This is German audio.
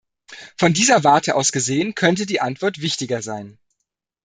Von dieser Warte aus gesehen könnte die Antwort wichtiger sein.